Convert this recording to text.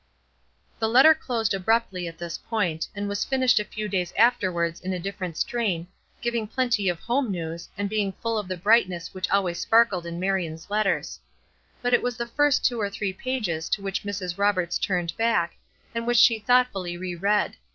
The letter closed abruptly at this point, and was finished a few days afterwards in a different strain, giving plenty of home news, and being full of the brightness which always sparkled in Marion's letters; but it was the first two or three pages to which Mrs. Roberts turned back, and which she thoughtfully re read.